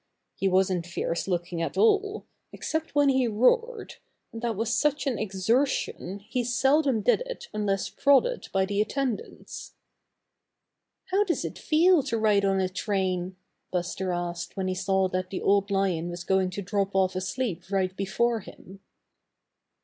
He wasn't fierce looking at all, except when he roared, and that was such an exertion he seldom did it unless prodded by the attend ants. "How does it feel to ride on a train?" Buster asked when he saw that the Old Lion was going to drop off asleep right before him.